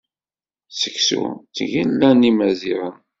Seksu d tgella n Yimaziɣen.